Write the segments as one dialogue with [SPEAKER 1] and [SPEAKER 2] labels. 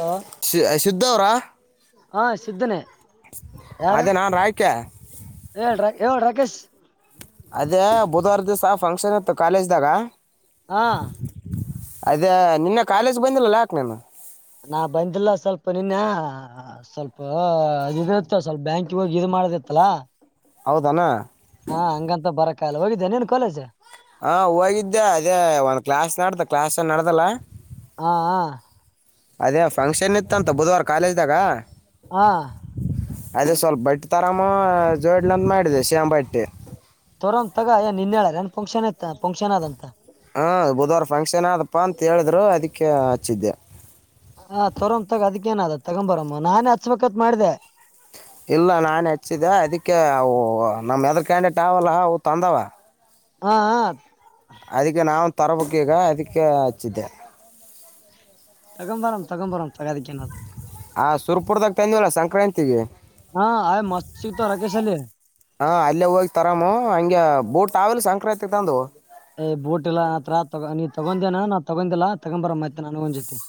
[SPEAKER 1] hello
[SPEAKER 2] ಶುದ್ಧ ಅವರ
[SPEAKER 1] ಹಾ ಸಿದ್ದನೆ
[SPEAKER 2] ಅದೇ ನಾನ್ು ರಾಯಕ
[SPEAKER 1] ಹೇಳ ಡ್ರಾ ಹೇಳಳ್ ರಾಕೇಶ್
[SPEAKER 2] ಅದೇ ಬುಧವಾರ ದಿವಸ ಫಂಕ್ಷನ್ ಇತ್ತು ಕಾಲೇಜ ದಾಗ
[SPEAKER 1] ಹಾ
[SPEAKER 2] ಅದೇ ನಿನ್ನ ಕಾಲೇಜ್ ಬಂದಿಲ್ಲಲ್ಲ ಯಾಕೆ ನೇು
[SPEAKER 1] ನಾ ಬಂದಿಲ್ಲ ಸ್ವಲ್ಪ ನಿನ್ನೆ ಸ್ವಲ್ಪ ಇ ಇತ್ತು ಸ್ವಲ್ಪ ಬ್ಯಾಂಕಿಗೆ ಹೋಗಿ ಇದು ಮಾಡೋದಿತ್ತಲಾ
[SPEAKER 2] ಹೌದನಾ
[SPEAKER 1] ಹಾ ಹಂಗಂತ ಬರಕ್ಕಲ್ಲ ಹೋಗಿದ್ದೆ ನೀನ್ ಕೋೇಜ
[SPEAKER 2] ಹಾ ಹೋಗಿದ್ದೆ ಅದೇ ಒಂದ್ ಕ್ಲಾಸ್ ನಡ್ದ ಕ್ಲಾಸ್ನ್ ನಡ್ದಲ್ಲ
[SPEAKER 1] ಹಾ
[SPEAKER 2] ಅದೇ ಫಂಕ್ಷನ್ ಇತ್ತಂತ ಬುಧವಾರ ಕಾಲೇಜ್ದಾಗ
[SPEAKER 1] ಹಾ
[SPEAKER 2] ಅದೇ ಸ್ವಲ್ಪ ಬಟ್ಟೆ ತರಾಮ ಜೋಡ್ಲಂತ ಮಾಡಿದೆ ಶೇಾಮ್ ಬಟ್ಟೆ
[SPEAKER 1] ತೋರ್ ತಗ ಏ ನಿನ್ ಹೇಳಾರ ಏನ್ ಫಕ್ಷನ್ ಇಐತ ಫಂಕ್ಷನ್ ಅದ ಅಂತ
[SPEAKER 2] ಹಾಂ ಬುಧವಾರ ಫಂಕ್ಷನ್ ಅದಪ್ಪ ಅಂತ ಹೇಳಿದ್ರು ಅದಕ್ಕೆ ಹಚ್ಚಿದ್ದೆ
[SPEAKER 1] ಹ ತೋರೊ ತಾಗ ಅದಕ್ಕೇನದ ತಗೊಂಬರಮ್ಮ ನಾನೇ ಹಚ್ಬೇಕತ್ ಮಾಡಿದೆೆ
[SPEAKER 2] ಇಲ್ಲ ನಾನು ಹೆಚ್ಚಿದ್ದೆ ಅದಕ್ಕೆ ಅವು ನಮ್ಮೆದ್ರ ಕ್ಯಾಂಡಿೇಟ್ ಅವಲ್ಲ ಅವು ತಂದವ
[SPEAKER 1] ಹಾ
[SPEAKER 2] ಅದಕ್ಕೆ ನಾವು ತರಬೇಕ ಈಗ ಅದಕ್ಕೆ ಹಚ್ಚಿದ್ದೆ
[SPEAKER 1] ತಗಂಬರಂ ತಗಂಬರಂ ತಗದಿಕ
[SPEAKER 2] ಹ ಸುರ್ಪುರದಾಗ ತಂದವಲ್ಲ ಸಂಕ್ರಾಂತಿಗೆ
[SPEAKER 1] ಹಾ ಆಯ್ ಮಸ್ತಿ ತ ರಕೇಶ ಅಲ್ಲಿ
[SPEAKER 2] ಹಾ ಅಲ್ಲೇ ಹೋಗಿ ತರಾಮ ಹಂಗೆ ಬೂಟ್ ಆಾವೇಲೆ ಸಂಕ್ರಾಂತಿ ತಂದು
[SPEAKER 1] ಯ್ ಬೋಟ್ ಎಲ್ಲಾ ಆ ತತ್ರ ತಗ ನೀ ತಗೊಂಡಂದೇನ ನಾ ತಗೊಂಡಿಲ್ಲ ತಗೊ ಬರ ಮತ್ತ ನನ್ಗ ಒಂದ್ಸತಿ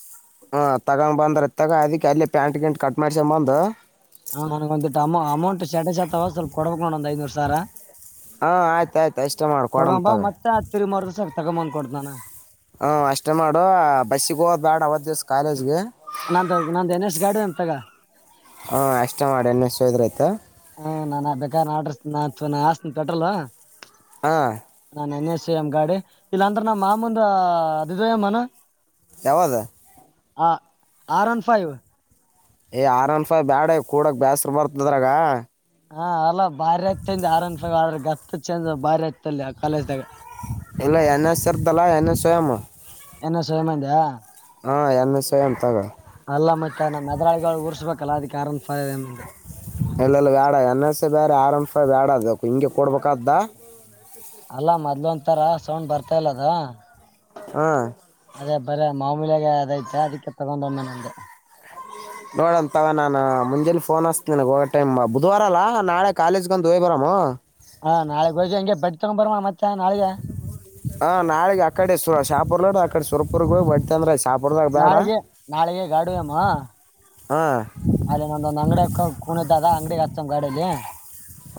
[SPEAKER 2] ಹ ತಗೊಂಡ್ ಬಂದ್ರ ತಗ ಅದಿ ಅಲ್ಲಿ ಪ್ಯಾಂಟ್ ಗಿಂಟ್ ಕಟ್ ಮಾಡಸೊಂಬಂದ್
[SPEAKER 1] ಹಾ ನನಗ ಒಂದ್ ಅ ಅಮೌಂಟ್ ಶಟಡ ಶತವ ಸ್ವಲ್ಪ ಕೊಡ್ಬೇಕು ನೋ ಒಂದ್ ಐನೂರು ಸಾವರ
[SPEAKER 2] ಹಾ ಆಯ್ತಾಯಯ್ತು ಇಷ್ಟೇ ಮಾಡ್ಕ ಕೊಡಂಬ ತಗ
[SPEAKER 1] ತಿರಿ ಮಾರದ ಸಾಕ ತಗೊಂಬ್ಕಡಡ್ ನಾನ
[SPEAKER 2] ಹ ಅಷ್ಟೇ ಮಾಡು ಬಸ್ಸಿಗೆ ಹೋದ್ ಬ್ಯಾಡ ಅವತ್ ದಿವ್ಸ ಕಾಲೇಜ್ಗೆ
[SPEAKER 1] ನಾ ನಂದ ದಿನೇಶ್ ಗಾಡು ಅಂತಗ
[SPEAKER 2] ಹಾ ಎಷ್ಟ ಮಾಡಣ್ ಸೋದ್ರ ಆಯತಾ
[SPEAKER 1] ಹಾ ನಾನನ್ ಬೇಕ ಆಡ್ರ ನಾ ಹಸ್ತನ ಪೆಟ್ರೋಲ್
[SPEAKER 2] ಹಾಂ
[SPEAKER 1] ನಾನ್ ಎನ್ ಎ ಸಿ ಎಮ್ ಗಾಡಿ ಇಲ್ಲಾಂದ್ರ ನಮ್ಮ್ ಮಾ ಮುಂದ ಅದಿದ ಎ್ನ
[SPEAKER 2] ಯಾವದ
[SPEAKER 1] ಆ ಆರ್ ಒನ್ ಫೈವ್
[SPEAKER 2] ಏ್ ಆರ್ ಅಂಡ್ ಫೈ್ ಬ್ಯಾಡ
[SPEAKER 1] ಹಾ ಅಲ್ಲ ಭಾರಿ ಆಯತಂದ ಆರಾಮ್ಸ್ರ ಗತ್ತತ್ ಚಂದ ಬಾರಿ ಆಯತ ಅಲ್ಲಿ ಆ ಕಾಲೇಜ್್ದಾಗ
[SPEAKER 2] ಇಲ್ಲ ನ ಸರ್್ದಲ್ಲ ನ ಸವಯಾಮ
[SPEAKER 1] ಎನ್ನ ಸಯಮಂದಾ
[SPEAKER 2] ಹಾಂ ಎ್ ಎಸ್ ಐ ಎಂತಗ
[SPEAKER 1] ಅಲ್ಲ ಮತ್ತೆ ನಮ್ಮ ಮೆದರಳಿಗಳು ಊರ್ಸ್ಬೇಕಲ್ಲ ಅದಕ್ಕೆ ಆಾರನ್ ಸ ಇದೆಗೆ
[SPEAKER 2] ಎಲ್ಲೆಲ್ಲ ಬ್ಯಾಡ ಎನ್ಸ ಬೇರೆ ಆರಾಮ್ ಬ್ಯಾಡ ಅದ ಹಿಂಗೆ ಕೊಡ್ಬೇಕ್ದ
[SPEAKER 1] ಅಲ್ಲಾ ಮೊದ್ಲ ಒಂತ ತರ ಸೌಂಡ್ ಬರ್ತಾ ಇಲ್ಲ ಅದ
[SPEAKER 2] ಹಾ
[SPEAKER 1] ಅದೇ ಬರ ಮಾಮೂಲ್ಯಾಗ ಅದಐತೆ ಅದಕ್ಕೆ ತಗೊಂಡೊಮ್ಮೆ ನ ಅಂದೆ
[SPEAKER 2] ನೋಡಂತವ ನಾ ಮುಂಜೆ ಫೋನ್ ಹಸ್ತ ನನಗೆ ಹೋಗೋ ಟೈಮ್ ಬುಧವಾರ ಅಲ್ಲ ನಾಳೆ ಕಾಲೇಜ್ಗಂಡ ಹೋಯ್ ಬರಾಮ
[SPEAKER 1] ಹಾ ನಾಳೆ ಹೋಗಿಂಗೆ ಬಡ್ ತಗೊಂಡ ಬರೋ ಮತ್ತೆ ನಾಳೆ
[SPEAKER 2] ಹಾ ನಾಳಗ್ ಅಕಡೆ ಸು ಶಾಪುರ್ ನೋ ಅಕಡೆ ಸುರಪುರ್ಗೆ ಹೋಗಿ ಬಟ್ಟತ ಅಂದ್ರೆ ಸಾಪದಾಗ ಬೇಡ
[SPEAKER 1] ನಾಳೆಗೆ ನಾಳೆಗೆ ಗಾಡಿ ಅಮ್ಮ
[SPEAKER 2] ಹಾ
[SPEAKER 1] ಅಲ್ಲಿ ನಂದೊಂದ್ ಅಂಗಡಿಯ ಕುಣ್ದ ಅದ ಅಂಗಡಿ ಹಚ್ಚಮ ಗಾಡಲ್ಲಿ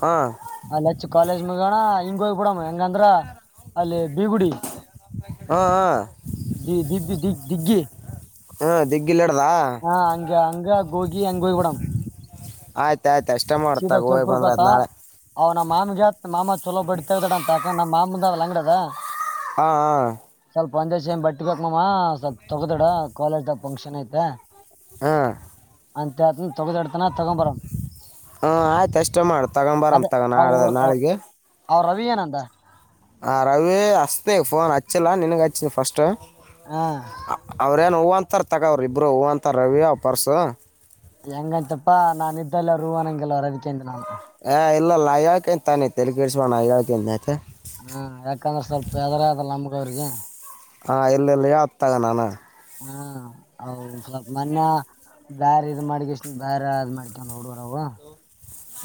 [SPEAKER 2] ಹಾ
[SPEAKER 1] ಅಲ್ಲಿ ಹಚ್ಚು ಕಾಲೇಜ್ ಮುಗೋಣ ಹಿಂಗ ಹೋಗ್ಬ ಬಿಡಮ್ ಹೆಂಗಂದ್ರ ಅಲ್ಲೇ ಬೀಗುಡಿ
[SPEAKER 2] ಹಾ ಹಾ
[SPEAKER 1] ದ ದಿಗ್ ದಿಗ್ ದಿಗ್ಗಿ
[SPEAKER 2] ಹಾ ದಿಗ್ಗಿಲ್ ಹಿಡ್ದಾ
[SPEAKER 1] ಹಾ ಹಂಗ ಹಂಗ ಗೋಗಿ ಹಂಗೋೋಗಿ ಕೂಡ
[SPEAKER 2] ಆಯ್ತ ಆಯ್ತು ಅಷ್ಟೇ ಮಾಡತಾಗ ಹೋಗಿ ಬಂದ್ರೆಯ್ ನಾಳೆ
[SPEAKER 1] ಅವ್ ನಮ್ಮ ಮಾಮಗತ್ ಮಾಮ ಚಲೋ ಬಡತವ ಗಡ ಅಂತ ಅಕ ನಮ್ಮ ಮಾಮಂದ ಅಂಗಡದ
[SPEAKER 2] ಹಾ ಹಾ
[SPEAKER 1] ಸ್ವಲ್ಪ ಒಂದೇಶ್ ಬಟ್ಟಿಗ್ ಹಕಮ್ಮ ಸ್ವಲ್ಪ ತಗ್ದಡ ಕಾಲೇಜಾಗ ಫಂಕ್ಷನ್ ಐತೆ
[SPEAKER 2] ಹಾ
[SPEAKER 1] ಅಂತ ಆ ತಗ ಎತನ ತಗಂಬ ಬರ
[SPEAKER 2] ಹಾಂ ಆಯ್ತು ಅಷ್ಟೇ ಮಾಡಿ ತಗೊಂಬರಂ ತಗೊಂಡ ನಾಳೆ ನಾಳಿಗೆ
[SPEAKER 1] ಅವ್ ರವಿ ಏನಂದ
[SPEAKER 2] ಆ ರವಿ ಅಸ್ತೇಫೋನ್ ಹಚ್ಚೆಲ್ಲ ನಿಿನಗೆಚ್ಚಿ ಫಸ್ಟ್
[SPEAKER 1] ಹಾ
[SPEAKER 2] ಅವ್ರೇಏನ್ ಹೂ ಅಂತಾರ ತಗೋ್ರ ಇಬ್ರು ಹೂ ಅಂತಾರ ರವಿ ಅವ ಪರ್ಸ
[SPEAKER 1] ಹೆಂಗಂತಪ್ಪಾ ನಾ ಇದ್ದೆಲ್ಲ ೂವಂಗಗೆಲ್ವರ ಅದಕ್ಕೆಂತ ನಾು
[SPEAKER 2] ಹ ಇಲ್ಲ ಅಯಾಳ್ಕೆಂತಾನೈಲ್ಲಿ ಕರ್ಸ ಮಾಡಣ ಅಯಾಳ್ಕ ಆಯತ
[SPEAKER 1] ಹಾ ಯಾಕಂದ್ರೆ ಸ್ವಲ್ಪ ಹೆದ್ರ ಆಲ್ಲ ನಮಗ ಅವ್ರಿಗೆ
[SPEAKER 2] ಹಾ ಎಲ್ಲೆಲ್ಲಿ ಯ ತಗ ನಾನು
[SPEAKER 1] ಹ್ಮ್ ಹೌದ ಸ್ವಲ್ಪ ಮೊನ್ನ ಬೇರೆ ಇ್ ಮಾಡ್ಿಕ ಇಷ್ಟ ಬೇರೆ ಅದ್ ಮಾಡ್ಕ ಹಡವರವು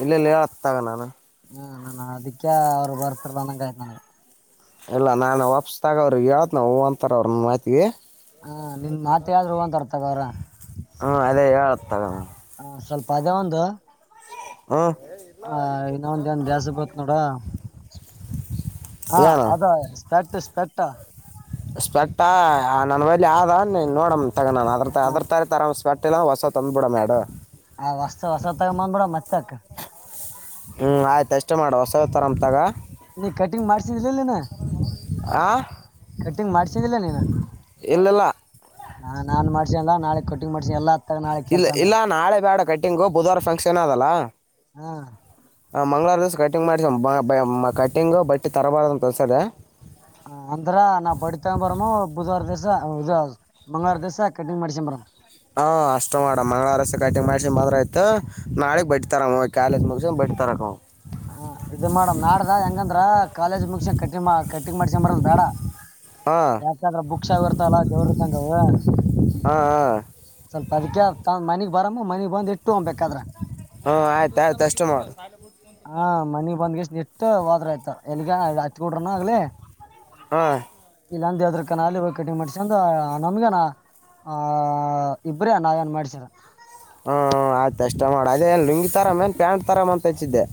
[SPEAKER 2] ಇಲ್ಲೆಲ್ಲ ಆತಾಗ ನಾನು
[SPEAKER 1] ಹ್ಮ ನಾನ್ ಅದಕ್ಕೆ ಅವ್ರು ಬರ್ತಿರ್ದ ಅಂಗಾಯಯ್ತ ನನಗೆ
[SPEAKER 2] ಇಲ್ಲ ನಾನು ವಾಪಸ್ ತಗೋವ್ರಿಗೆ ಹೇಳತ್ ನವು ಹ ಅಂತರ ಅವರು ಮಾಹತಿಗೆ
[SPEAKER 1] ಹಾ ನಿನ್ ಮಾತ್ ಯ್ರರು ಹೋಗಂತರ್ ತಗ ಅವ್ರ
[SPEAKER 2] ಹ್ಮ್ ಅದೇ ಹೇಳ ತಗ
[SPEAKER 1] ಹಾ ಸ್ವಲ್ಪ ಅದೇ ಒಂದು
[SPEAKER 2] ಹ್ಞೂ
[SPEAKER 1] ಹ ಇನ್ನೊಂದ ಏನ್ ದ್ಯಾಸ್ ಬತ್ ನೋಡ ಹಾ
[SPEAKER 2] ಏನು
[SPEAKER 1] ಅದ ಸ್ಪೆಟ್ ಸ್ಪೆಟ್
[SPEAKER 2] ಸ್ಪೆಕ್ಟ್ ನನ್ ಮಲಿ ಆದ ನೋಡ ತಗಾನನ್ಅದ್ರ ಅದ್ರ ತ ತರಾಮ ಸ್ವೆಟ್ರ್ ಎಲ್ಲ ಹೊ ವಸಾ ತಂದು್ ಬಿಡ ಮೇಡ
[SPEAKER 1] ಆ ಹೊಸ ಹೊಸ ತಗ ಬಂದ್ ಬಿಡ ಮತ್ತತ್ಕ್ಕ
[SPEAKER 2] ಹ್ಮ್ ಆಯ್ತು ಅಷ್ಟೇ ಮಾಡ ಹೊಸತರಮ ತಗ
[SPEAKER 1] ನೀ ಕಟಿಂಗ ಮಾಡಸಲ್ಲ ನ
[SPEAKER 2] ಆ
[SPEAKER 1] ಕಟ್ಟಿಂಗ್ ಮಾಡ್ಸಿದ್ದಿಲ್ಲ ನೀನು
[SPEAKER 2] ಇಲ್ಲಿಲ್ಲ
[SPEAKER 1] ಹಾ ನಾನ್ ಮಾಡ್ಸನಲ್ಲ ನಾಳೆ ಕಟಿಂಗ್ ಮಾಡ್ಸಿನಿ ಎಲ್ಲ
[SPEAKER 2] ಇಲ್ಲ ಇಲ್ಲ ನಾಳೆ ಬೇಡ ಕಟ್ಟಿಂಗು ಬುಧವಾರ ಫಂಕ್ಷನ್ ಅದಲ್ಲ
[SPEAKER 1] ಹ್ಮ್
[SPEAKER 2] ಹ ಮಂಗ್ವಾರ ದಿವಸ ಕಟಿಂಗ್ ಮಾಡಿ ಕಟಿಂಗ್ ಬಟ್ಟಿ ತರಬಾರ್ದ ಅಂತ ಕಲಸದೆ
[SPEAKER 1] ಅಂದ್ರ ನಾವು ಬಡಿತ ಬರಮ ಬುಧವಾರ ದಸ ಮಂಗಳವಾರ ದಿವ್ಸ ಕಿಂಟಿಗ್ ಮಾಡಸಮ ಬ್ರೋ
[SPEAKER 2] ಹ ಅಷ್ಟು ಮಾಡಮ ಮಂಗಳವಾರಸತೆ ಕಟಿಂಗ ಮಾಡಿಸಿ ಮದ್ ಆಯತು ನಾಳೆಗೆ ಬಟ್ಟತಾರ ಕಾಲೇಜ್ ಮುಗಸ ಬಟ್ಟ ತರಕ ಹೋಗಂ
[SPEAKER 1] ಹ ಇದು ಮಾಡಡಮ್ ನಾಡ್ದ ಹೆಂಗಂದ್ರ ಕಾಲೇಜ ಮುಗಸ ಕಟ್ಟಿ ಕಟ್ಟಿ ಮಾಡ್ಸಕೊಂಬರ ಬೇಡ
[SPEAKER 2] ಹಾ
[SPEAKER 1] ಯಾಕಂದ್ರೆ ಬುಕ್ಸ್ ಎಲ್ಲ ಇರ್ತವಲ್ಲ ದೇವ್ರ್ ಇದ್ದಂಗೆ ಅವು
[SPEAKER 2] ಹಾ ಹಾ
[SPEAKER 1] ಸ್ವಲ್ಪ ಅದಕ ಮನಗ್ ಬರಾಮ ಮನಗ್ ಬಂದ್ ಇಟ್ಟು ಹೋಗ್ಬೇಕಾದ್ರ
[SPEAKER 2] ಹ್ಮ ಆಯ್ತ ಆಯ್ತು ಅಷ್ಟು ಮಾಡ
[SPEAKER 1] ಹಾ ಮನಿಗ್ ಬಂದ್ಗೆಷ್ಟ ನಿಟ್ಟು ಹತ್ರ ಆಯ್ತ ಎಲ್ಲಿಗ ಹತ್ ಕೊಡ್ರನ ಆಗ್ಲಿ
[SPEAKER 2] ಹಾಂ
[SPEAKER 1] ಇಲ್ಲಾಂದ ಯದ್ರ ಕನಾಲ ಇ ಕಟಿಂಗ ಮಾಡಸ ಅಂದ ನಮ್ಗನ ಆಹ ಇಬ್ರೇ ನಾವೇಏನ್ ಮಾಡ್ಸರ
[SPEAKER 2] ಹ್ಮ್ ಆಯ್ತು ಅಷ್ಟ ಮಾಡ ಅದೇ ಏನ್ ಲುಂಗಿ ತರಾಮ ಏನ್ ಪ್ಯಾಂಟ್ ತರಾಮ ಅಂತ ಹಚ್ಚಿದ್ದೆ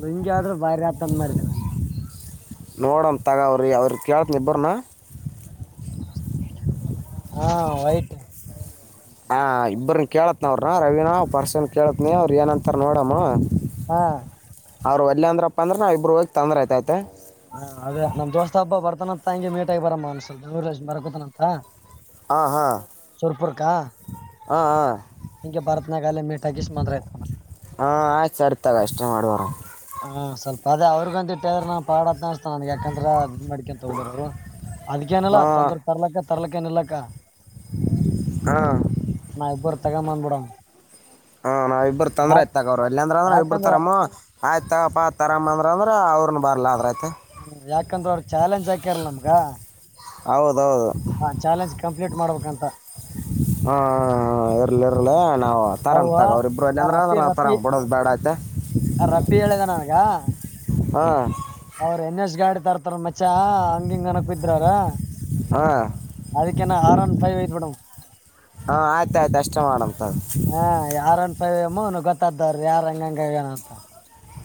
[SPEAKER 1] ಲುಂಗಿ ಆದ್ರೆ ಬಾರಿ ರತ ಅ ಮಾಡಿದ್ದೆ ನಾನು
[SPEAKER 2] ನೋಡೋಂ ತಗಾವ್ರಿ ಅವ್ರ ಕೇಳ್ತ ಇಬ್ಬರನ್ನ
[SPEAKER 1] ಹಾ ವೈಟ್
[SPEAKER 2] ಹಾಂ ಇಬ್ಬ್ರನ್ನ ಕೇಳತ್ನ ಅವ್ರ ರವೀನಾ ಪರ್ಸನ್ ಕೇಳತನ ಅವ್ರು ಏನಂತಾರೆ ನೋಡಮ್ಮ
[SPEAKER 1] ಹಾ
[SPEAKER 2] ಅವ್ರರು ಅಲ್ಲ ಅಂದ್ರಪ್ಪ ಅಂದ್ರ ನಾವ ಇಬ್ಬ ಹೋಗ ತಂದ್ರ ಆಯತೈತೆ
[SPEAKER 1] ಹಾ ಅದ ನಮ್ ದೋಸ್ತ ಹಬ್ಬ ಬರ್ತಾನನಂತ ಹಂಗೆ ಮೀಟ ಆಗ ಬರ ಮನ್ಸ ನೂ ಲ ಬರ್ಕೊತನಂತ
[SPEAKER 2] ಹ ಹಾ ಹ ಹಾ
[SPEAKER 1] ಹಂಗೆ ಬರತ್ನಾಗಾಲ ಮೀಟ್ ಹಾದ್ರ ಆಯತವ
[SPEAKER 2] ಹಾ ಆಯ್ತು ಅರ್ತಗ ಅಷ್ಟೇ ಮಾಡ್ವಾರ
[SPEAKER 1] ಹಾ ಸ್ವಲ್ಪದೇ ಅವ್ರಿಗ ಅಂತ ಇಟ್ಟದ್ರ ನಾ ಪಾಡದ್ ನ ಅಸಸ್ತ ನನ್ಗ್ ಯಾಕಂದ್ರ ಅ ಮಡಿಕ ಅದ್ಕೇನಲ್ಲ
[SPEAKER 2] ಹಾಂ
[SPEAKER 1] ತಂದ್ರ ತರ್ಲಕ್ಕ ತರ್ಲಕ್ಕ ಏನ್ ಇರ್ಲಕ್ಕ
[SPEAKER 2] ಹಾ
[SPEAKER 1] ನಾ ಇಬ್ಬರು ತಗಮಂದ್ ಬಿಡ
[SPEAKER 2] ಹಾ ನಾವಿಬ್ರು ತಂದರಾಯ್ತು ತಗೋ, ಅವರು ಅಲ್ಲಿ ಅಂದ್ರೆ ನಾವಿಬ್ರೂ
[SPEAKER 1] ಯಾಕಂದ್ರ
[SPEAKER 2] ತರಮು ಆಯ್ತ ತಗಪ್ಪ ತರಾಮ್ ಅಂದ್ರ ಅಂದ್ರ ಅವ್ರನ್ ಬರ್ಲ ಆದ್ರ ಆ್ತು
[SPEAKER 1] ಹ್ಮ ಯಾಕಂದ್ರ ಅವ್ರು ಚಾಲೆಂಜ್ ಆಕ್ಯಾರ ನಮ್ಗ
[SPEAKER 2] ಹೌದೌದು
[SPEAKER 1] ಹಾ ಚಾಲೆಂಜ್ ಕಂಪ್ಲೀಟ್ ಮಾಡ್ಬೇಕಂತ
[SPEAKER 2] ಹ ಇರ್ಲಿ ಇರ್ಲ ನಾವು ತರಾಮ
[SPEAKER 1] ಅವ
[SPEAKER 2] ತಗ ಅವ್ರ ಇಬ್ರು ಅಲ್ಲಿ
[SPEAKER 1] ಆ
[SPEAKER 2] ಅಂದ್ರ ಅಂದ್ರ ನವು ತರಾಮ್ ಬಡೋದು ಬೇಡ ಆಯತೆ
[SPEAKER 1] ರಪ್ಪಿ ಹೇಳಿದೆ ನನ್ಗ
[SPEAKER 2] ಹಾ
[SPEAKER 1] ಅವ್ರ ಎನ್ಶ್ ಗಾಡಿ ತರ್ತಾರ ಮಚ್ಚ ಹಂಗಿಂಗ ಅನಕ್ ಇದ್ರವ್ರ
[SPEAKER 2] ಹಾ
[SPEAKER 1] ಅದಕ್ಕೆ [inaudible]
[SPEAKER 2] ಹಾ ಆಯ್ತ ಆಯ್ತು ಅಷ್ಟೇ ಮಾಡಂತ
[SPEAKER 1] ಹ್ಮ್ ಯಾರ್ ಅಂತ ವೈಯಮು ಗೊತ್ತಾಗುತ್ತೆ ಯಾರು ಎಂಗೆಂಗ ಅಂತ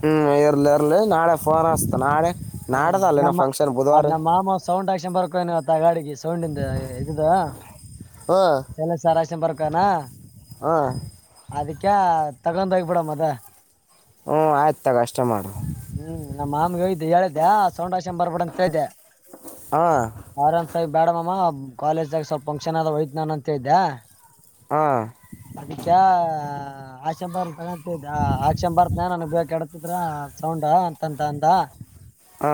[SPEAKER 2] ಹ್ಮ್ ಇರ್ಲಿ ಇರ್ಲಿ ನಾಳೆ ಫೋನ್ ಆಸ್ತು ನಾಳೆ
[SPEAKER 1] ಹ್ಮ್
[SPEAKER 2] ನಾಡದ ಅಲ್ಲಿನ
[SPEAKER 1] ನಮ್ಮ
[SPEAKER 2] ಫಂಕ್ಷನ್ ಬುಧವಾರ
[SPEAKER 1] ಅದ್ ನಮ್ಮ ಮಾಮ ಸೌಂಡ್ ಬರಾಕ್ ಹೋಗ್ಯಾನ ಇವತ್ ಆ ಗಾಡಿಗಿ ಸೌಂಡಿಂದ ಇದು
[SPEAKER 2] ಹಾಂ
[SPEAKER 1] ಚಲ ಸಾರಷ್ಟನ್ ಬರ್ಕಾನ
[SPEAKER 2] ಹಾಂ
[SPEAKER 1] ಅದಕ್ಕೆ ತಗೊಂಡ ಹೋಗಬಿಡ ಅದ
[SPEAKER 2] ಹ್ಮ ಆಯ್ತು ತಗ ಅಷ್ಟ ಮಾಡು
[SPEAKER 1] ಹ್ಮ್ ನಮ್ಮ ಮಾಮಗ ಹೇಳ್ದೆ ಸೌಂಡ ಆಕ್ಸ್ಕೆಂಡ್ ಬರ್ಬೇಡ ಅಂತ ಹೇಳ್ದೆ
[SPEAKER 2] ಹಾ
[SPEAKER 1] ಆರಾಮ್ ಸಾಗಿ ಬೇಡಮ್ಮ ಕಾಲೇಜ್ದಾಗ ಸ್ವಲ್ಪ ಫಂಕ್ಷನ್ ಅದ ಹಯತ ನಾನು ಅಂತ ಇದ್ದೆ
[SPEAKER 2] ಹಾ
[SPEAKER 1] ಅದಕ್ಕ ಆಕ್ಷಂಬರ್ ತ ಆಕ್ಷಂಬರ್ತ್ ನ ನನಗ್ ಬಡತಿದ್ರ ಸೌಂಡ ಅಂತಂತ ಅಂತ
[SPEAKER 2] ಹಾ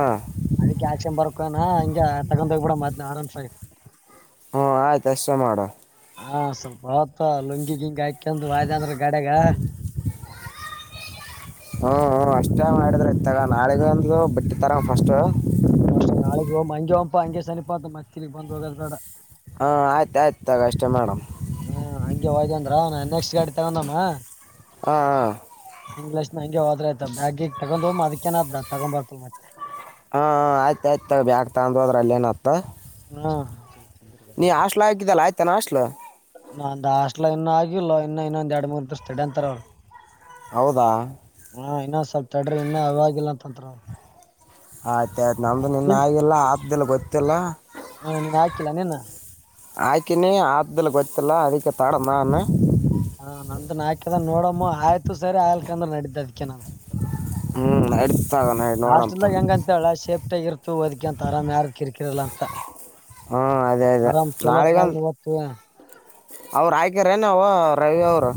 [SPEAKER 1] ಅದಿ ಆಕ್ಷನ್ ಬರಕ ನಾ ಹಿಂಗ ತಗೊಂಡೋಗ್ಬ ಬಿಡ ಮದ್ನ ಆರಾಮ್ ಸ
[SPEAKER 2] ಹ್ಮ ಆಯ್ತು ಎಷ್ಟ ಮಾಡುವ
[SPEAKER 1] ಹಾ ಸ್ವಲ್ಪ ಹೊತ್ತು ಲುಂಗಿ ಗಿಂಗಿ ಹಾಕಂದು ವಾದ ಅಂದ್ರ ಗಡೆಗ
[SPEAKER 2] [unintelligible] ಹಹಹ ನಾಳೆ ಅಂತ ಬಟ್ಟೆ ತರಣ ಫಸ್ಟ್
[SPEAKER 1] ಅ ನಾಳಿಗೆ ಹೋಗ್ ಹಂಗೆ ಹಂಪಾ ಹಂಗೆನಪ ಅಂತ ಮತ್ತಿಲಿಗ್ ಬ್ ಹೋಗೋ ಬೇಡ
[SPEAKER 2] ಹಾ ಆಯ್ತು ಆಯ್ತ ತಗ ಅಷ್ಟೇ ಮಾಡು
[SPEAKER 1] ಹಾ ಹಂಗೆ ಹೋದ ಅಂದ್ರ ನಾನ್ ನೆಕ್ಸ್ಟ್ ಗಾಡಿ ತಗೊಂಡಮ್ಮ
[SPEAKER 2] ಹ ಹಾ
[SPEAKER 1] ಇಂಗ್ಲಷ್ ನ ಹ ಹೋದ್ರ ಆಯತ ಬಾಗಿಗ ತಗೊಂಡ ಹ್ ಅದಕ್ಕೇನದ್ದ ತಗೊ ಬರ್ತ ಮತ್ತೆ
[SPEAKER 2] ಹಾ ಆಯ್ತ ಆಯ್ತ ಬಕ್ ತಂದ ಅದ್ರ ಅಲ್ಲೇಏನತ್ತ
[SPEAKER 1] ಹ್ಮ
[SPEAKER 2] ನೀ ಹಾಸ್ಟೆಲ್ ಹಾಕಿದ್ದಲ್ಲ ಆಯ್ತಾನಾಟ್ಲು
[SPEAKER 1] ನಂದ ಹಾಸ್ಟೆಲ್ ಇನ್ನು ಆಗಿಲ್ಲ ಇನ್ನು ಎರಡು ಮೂರು ದಿನ ಹೇಳಿ ಅಂತಾರೆ ಇನ್ನುೂ ಆಗಿಲ್ಲ ಇನ್ನು ಇನ್ನೊಂದ್ ಎರಡು ಮೂರ್ ದಿವಸ ತಡೆ ಅಂತಾರ
[SPEAKER 2] ಹೌದಾ
[SPEAKER 1] ಹಾ ಇನ್ನೊ ಸ್ವಲ್ಪ ತಡ್ರಿ ಇನ್ನ ಅವಾಗಿಲ್ಲ ಅಂತಂತ್ರ
[SPEAKER 2] ಆಯ್ತ ಆಯ್ತು ನಮ್ದು ನಿನ್ನ
[SPEAKER 1] ನಿನ್
[SPEAKER 2] ಆಗಿಲ್ಲ ಆತ್ದಿಲ್ಲ ಗೊತ್ತಿಲ್ಲ
[SPEAKER 1] ಹಾ ನೀನ್ ಹಾಕಿಲ್ಲ ನಿನ್ನ
[SPEAKER 2] ಹಾಕಿನಿ ಆತ್ತದಲ್ಲಿ ಕೊತ್ತಿಲ್ಲ ಅದಕ್ಕೆ ತಡದಾನ
[SPEAKER 1] ಹಾ ನಂದು ನಾಕದ ನೋಡಮ್ಮ ಆಯ್ತು ಸರಿ ಆಯ್ಲದ್ರ ನಡಿದ್ದ ಅದಕ ನಾನ
[SPEAKER 2] ಹ್ಮ್ ಎಡ್ ತಗಣ ನೋಡ ತಗ
[SPEAKER 1] ಕಳಾಶೆಪ್ ಒಟ್ಟಗ ಇರ್ತ ಅಓದಕ ಅಂತ ಆರಾಮ್ ಯಾರ ಕಿರ್ಕಿರಲ್ಲ ಅಂತ
[SPEAKER 2] ಹ್ಞೂ ಅದೇ ಅದೇ
[SPEAKER 1] ಆರಾಮ್ ಚಲೋತ್ನಾಗ ಪುವ
[SPEAKER 2] ಅವ್ರ ಆಯ್ಕಾರಏನ ಅವ ರವಿ ಅವರು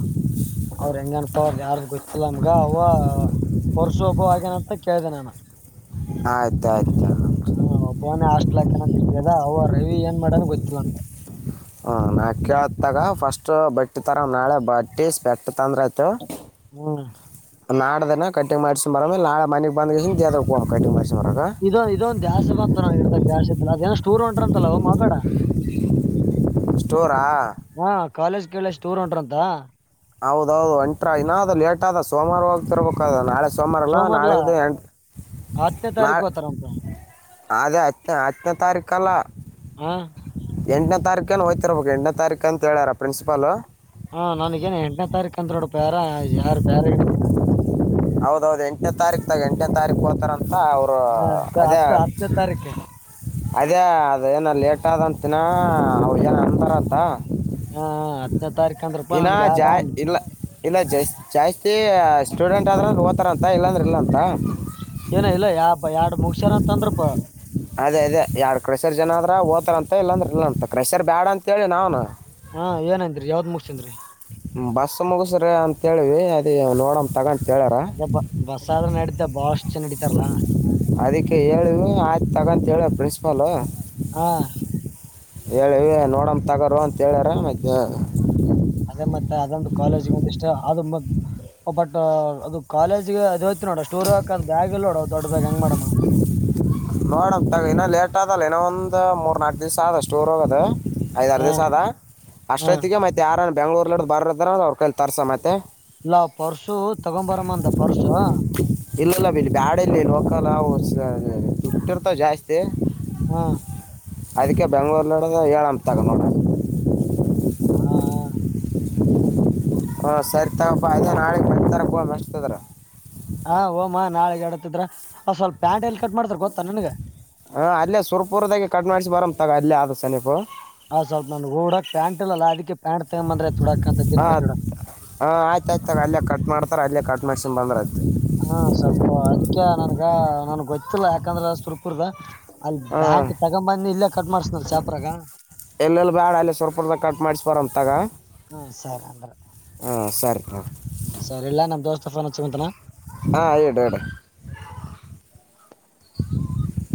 [SPEAKER 1] ಅವ್ರ ಹೆಂಗನಪ ಅವ್ರ ಯಾರು ಗೊತ್ತಿಲ್ಲ ನಮ್ಗ ಅವ ವರ್ಷು ಒಬ್ಬ ಹಾಗೇನಂತ ಕೇಳಿದೆ ನಾನು
[SPEAKER 2] ಆಯ್ತಾಯಯ್ತು
[SPEAKER 1] ಹಾ ಒಬ್ಬವನೇ ಹಸ್ಟ್ಲಾಕನಂತ ತಿದ ಅವ ರವಿ ಏನ್ ಮಾಡನ್ ಗೊತ್ತೀವ ಅಂಗ
[SPEAKER 2] [unintelligible] ಹ ನಾ ಕೇಳತ್ತಾಗ ಫಸ್ಟ್ ಬಟ್ಟಿ ತರ ನಾಳೆ ಬಟ್ಟಿ ಸ್ಪೆಕ್ಟ್ ತಂದ್ರ ಆಯ್ತು
[SPEAKER 1] ಹ್ಮ್
[SPEAKER 2] ನಾಡ್ದನ ಕಟ್ಟಂಗ್ ಮಾಡಸಿ ಬರ ನಾ ಮನೆಗ್ ಬಂದ ದೇ ಕಟ್ಟಿಂಗ್ ಮಾಡಸನ್ ಬರಾಗ
[SPEAKER 1] ಇದ ಇದೊಂದು ದ್ಯಾಸ ಬಂತ ನ ಗಿಡತಾಗ ದ್ಯಾಸ ಇಲ್ಲ ಅದಏನ್ ಸ್ಟೂರ್ ಹೊ ಮತಡ
[SPEAKER 2] ಸ್ಟೋರಾ
[SPEAKER 1] ಹಾ ಕಾಲೇಜ್ ಕೇಳಷ್ಟು ಊರ್ ಉಂಟ್ರ ಅಂತ
[SPEAKER 2] ಹೌದೌದು ಒಂಟ್ರ ಇನಾದ್ ಲೇಟ್ ಆದ ಸೋಮವಾರ ಹೋಗ್ತಿರ್ಬೇಕ ನಾಳೆ ಸೋಮ್ಮಾರಲ್ಲಾ
[SPEAKER 1] ಸೋಮವಾರ್ಲಾ
[SPEAKER 2] ನಾಳೆಗೆದ್ದ ಎ
[SPEAKER 1] ಹತ್ತನೇ ತಾರೀಕು
[SPEAKER 2] ನಾಳೆ
[SPEAKER 1] ಹೋತಾರಂತ
[SPEAKER 2] ಅದೇ ಹಚ್ನ ಹಚ್ಚನೇ ತಾರೀಖ ಅಲ್ಲ
[SPEAKER 1] ಹಾ
[SPEAKER 2] ಎಂಟನೇ ತಾರೀಕನು ಹೋಯ್ತರಬೇಕು ಎಂಟನೇ ತಾರೀಕ ಅಂತ ಹೇಳ್ಯಾರ ಪ್ರನ್ಸಿಪಾಲ್
[SPEAKER 1] ಹಾ ನನ್ಗೇನ್ ಎಂಟನೇ ತಾರೀಕ ಅಂದ ನೋಡು ಪ್ಯಾರ ಯಾರಾರ್ ಬೇರೆಗನಾರ
[SPEAKER 2] ಹೌದ ಹೌದು ಎಂಟನೇ ತಾರೀಕ ತಾಗ ಎಂಟನೇ ತಾರೀಕು ಹೋತಾರಂತ ಅವರು
[SPEAKER 1] ಹಾ
[SPEAKER 2] ಅದೇ
[SPEAKER 1] ಹತ್ತ ಹತ್ತನೇ ತಾರೀಕು
[SPEAKER 2] ಅದೇ ಅದ ಏನ ಲೇಟ್ ಆದಂತಿನ ಅವ ಏನ್ ಅಂತಾರಂತ
[SPEAKER 1] ಹಾ ಹತ್ತನೇ ತಾರೀಕು ಅಂದ್ರಪ್ಪ
[SPEAKER 2] ಇ
[SPEAKER 1] ನನ್ಗೆ ಯಾರ
[SPEAKER 2] ಜಾ ಇಲ್ಲ ಇಲ್ಲ ಜಸ್ ಜಾಸ್ತಿ ಸ್ಟೂಡೆಂಟ್ ಆದ್ರ ಓತಾರಂತ ಇಲ್ಲಾಂದ್ರೆ ಇಲ್ಲ ಅಂತ
[SPEAKER 1] ಏನ ಇಲ್ಲ ಯಾ ಎರಡ್ ಮುಗಸ್ಯಾರ ಅಂತ ಅಂದ್ರ ಪಾ
[SPEAKER 2] ಅದೇ ಅದೇ ಯಾರ್ ಕ್ರೆಷರ್ ಜನ ಅಂದ್ರ ಓತಾರಂತ ಇಲ್ಲಾಂದ್ರೆ ಇಲ್ಲಂತ ಕ್ರೆಶರ್ ಬ್ಯಾಡ ಅಂತ ಹೇಳೇಳಿ ನಾವನು
[SPEAKER 1] ಹಾ ಏನೇನ್್ರೀ ಯಾವ್ದ್ ಮುಗಸನ್್ರಿ
[SPEAKER 2] ಬಸ್ ಮುಗಸ್ರಿ ಅಂತ ಹೇಳವಿ ಅದ ನೋಡಂ ತಗೊಂತ ಹೇಳಾರ
[SPEAKER 1] ಬಸ ಆದ್ರ ನಡೀತ ಬಾಳಷ್ಟು ಚೆನ ನಡೀತಾರಲ್ಲಾ
[SPEAKER 2] ಅದಕ್ಕೆ ಹೇಳ ಆಯ್ತು ತಗೊಂತ ಹೇಳ ಪ್ರಿನ್ಸಿಪಾಲ್
[SPEAKER 1] ಹಾ
[SPEAKER 2] ಹೇಳಿವ ನೋಡಮ್ಮ ತಗೋರು ಅಂತ ಹೇಳ್ಯಾರ
[SPEAKER 1] ಅದೇ ಮತ್ತೆ ಅದೊಂದು ಕಾಲೇಜ್ಗ ಒಂದ ಇಷ್ಟ ಅದು ಬಟ್ ಅದು ಕಾಲೇಜ್ಗೆ ಅದು ಹಯ್ತ ನೋಡ ಸ್ಟೋರ್ ಹಾಕದ ಬ್ಯಾಗ್ಲ್ಲ ನೋಡ ದೊಡ್ ಬ್ಯ್ ಹಂಗ ಮಾಡಡಮ
[SPEAKER 2] ನೋಡಂ ತಗ ಇನ ಲೇಟ್ ಆದಲ್ಲ ಇನ ಒಂದ ಮೂರ್ ನಾಲ್ಕು ದಿವಸ ಆದದಷ್ಟು ಊರ್ ಹೋಗೋದು ಐದ್ರ್
[SPEAKER 1] ಹಾ
[SPEAKER 2] ದಿವಸ ಅದ
[SPEAKER 1] ಹಾ
[SPEAKER 2] ಅಷ್ಟೊತ್ತಿಗೆ ಮತ್ತೆ ಯಾರ ಬ ಬೆಂಗ್ೂರ್ ಬರ್ದಾರ ಅವ್ರ ಕೈ ತರ್ಸ ಮತ್ತೆ
[SPEAKER 1] ಇಲ್ಲ ಪರ್ಸು ತಗೊಂಬರಮ್ಮ ಅಂತ ಪರ್ಸು
[SPEAKER 2] ಇಲ್ಲಲ್ಲ ಬ ಬ್ಯಾಡಲ್ಲಿ ಲೋಕಲ್ ದುಡ್ ಇರ್ತಾವ ಜಾಸ್ತಿ
[SPEAKER 1] ಹ್ಮ್
[SPEAKER 2] ಅದಕ್ಕೆ ಬೆಂಗ್ಳೂರ್ ನಡ ಏಳ ಅ ತಗ ನೋ
[SPEAKER 1] ಹಾ ಹಾ
[SPEAKER 2] ಹ ಸರಿ ತಗೋಾ ಅದೇ ನಾಳೆ ಮತಾರ ಮೆಸ್ತದ್ರ
[SPEAKER 1] ಹಾ ಹಓಮ್ಮಾ ನಾಳಗ್ ಎಡತಿದ್ರ ಸ್ವಲ್ಪ ಪ್ಯಾಂಟ್ ಎಲ್ಲಿ ಕಟ್ ಮಾಡ್ತಾರ ಗೊತ್ತಾ ನನ್ಗ
[SPEAKER 2] ಹಾ ಅಲ್ಲೇ ಸುರ್ಪುರ್ದಾಗ ಕಟ್ ಮಾಡಿಸಿಿ ಬರಂತಗ ಅಲ್ಲೇ ಆದ್ ಸನೀಪು
[SPEAKER 1] ಆ ಸ್ವಲ್ಪ ನನ್ ಓಡಾಕ್ ಪ್ಯಾಂಟ್ಲ್ಲ ಅದ ಪ್ಯಾಂಟ್ ತಗೊಂದ್ರೆ ತಡಕಂತ ದಿನಪಡಕ್
[SPEAKER 2] ಹಾ ಆಯ್ತಾಯ ಆಯ್ತ ಅೇ ಕಟ್ ಮಾಡತ ಅಲ್ಲೇ ಕಟ್ ಮಾಡ್ಸೊಂಡನ್ ಬಂದ್ರ ಆಯತು
[SPEAKER 1] ಹಾ ಸ್ವಲ್ಪ ಅದಕ್ಕೆ ನನ್ಗ ನನ್ಗ್ ಗೊತ್ತಿಲ್ಲ ಯಾಕಂದ್ರೆ ಸುರ್ಕುರ್ದ ಅಲ್
[SPEAKER 2] ಹಾಂ
[SPEAKER 1] ಬ್ಯಾಂಟ್ ತಗೊಂಬನ್ನಿ ಇಲ್ಲೇ ಕಟ್ ಮಾಡ್ಸ್ನ್ರ ಚಾಪರಾಗ
[SPEAKER 2] ಎಲ್ಲೆಲ್ಲಿ ಬ್ಯಾಡ ಅಲ್ಲ ಸ್ವಲ್ಪ ಹೊದಾಗ ಕಟ್ ಮಾಡಿಸ ಬಾರ ತಗ
[SPEAKER 1] ಹ್ಮ ಸರಿ ಅಂದ್ರ
[SPEAKER 2] ಹಾಂ ಸರಿ ಹಾಂ
[SPEAKER 1] ಹ್ಮ ಸರಿ ಇಲ್ಲ ನಮ್ ದೋಸ್ತ ಫೋನ್ ಹಚ್ ಕುಂತನ
[SPEAKER 2] ಹಾ ಡು ಆಡು